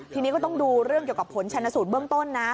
ทีนี้ก็ต้องดูเรื่องเกี่ยวกับผลชนสูตรเบื้องต้นนะ